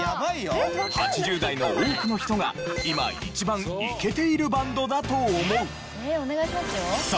８０代の多くの人が今一番イケているバンドだと思う。